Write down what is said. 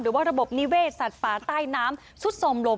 หรือว่าระบบนิเวศสัตว์ฟ้าใต้น้ำสุดสมลม